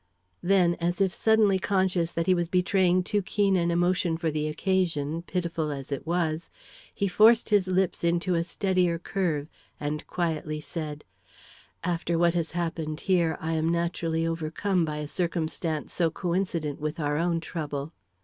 Then, as if suddenly conscious that he was betraying too keen an emotion for the occasion, pitiful as it was, he forced his lips into a steadier curve, and quietly said: "After what has happened here, I am naturally overcome by a circumstance so coincident with our own trouble."